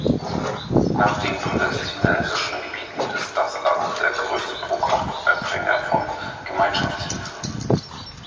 Nach den palästinensischen Gebieten ist das Land der größte Pro-Kopf-Empfänger von Gemeinschaftshilfe.